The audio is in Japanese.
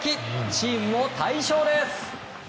チームも大勝です！